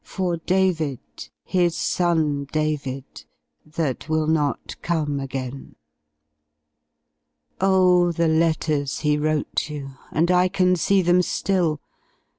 For David, his son David, That will not come again. Oh, the letters he wrote you, And I can see them still.